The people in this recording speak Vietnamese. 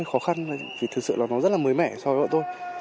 nó khó khăn thật sự nó rất là mới mẻ so với bọn tôi